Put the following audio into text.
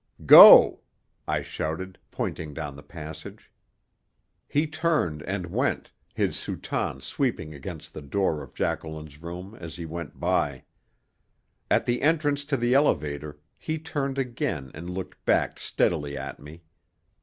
"Go!" I shouted, pointing down the passage. He turned and went, his soutane sweeping against the door of Jacqueline's room as he went by. At the entrance to the elevator he turned again and looked back steadily at me.